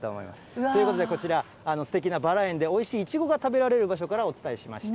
ということでこちら、すてきなバラ園で、おいしいイチゴが食べられる場所からお伝えしました。